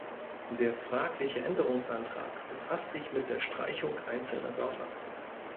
Der fragliche Änderungsantrag befasst sich mit der Streichung einzelner Wörter.